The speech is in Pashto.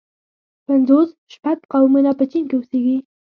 پنځوس شپږ قومونه په چين کې اوسيږي.